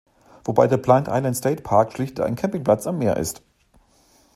Wobei der Blind Island State Park schlicht ein Campingplatz am Meer ist.